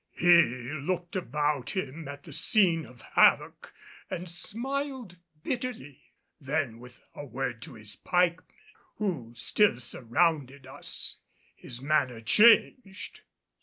He looked about him at the scene of havoc, and smiled bitterly. Then, with a word to his pikemen, who still surrounded us, his manner changed.